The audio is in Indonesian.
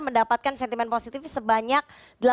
mendapatkan sentimen positif sebanyak